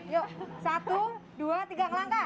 yuk satu dua tiga ngelangka